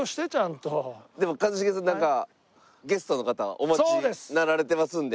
でも一茂さんなんかゲストの方お待ちになられてますので。